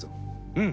うん。